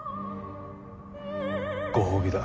ご褒美だ。